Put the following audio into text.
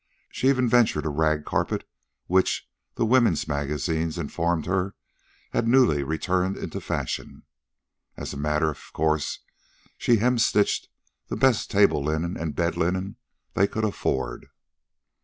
She even ventured a rag carpet, which, the women's magazines informed her, had newly returned into fashion. As a matter of course she hemstitched the best table linen and bed linen they could afford.